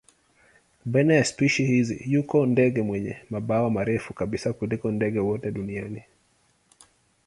Baina ya spishi hizi yuko ndege wenye mabawa marefu kabisa kuliko ndege wote duniani.